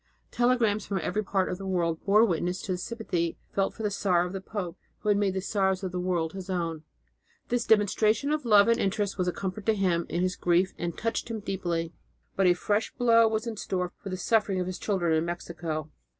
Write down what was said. Telegrams from every part of the world bore witness to the sympathy felt for the sorrow of the pope who had made the sorrows of the world his own. This demonstration of love and interest was a comfort to him in his grief and touched him deeply. But a fresh blow was in store in the sufferings of his children in Mexico.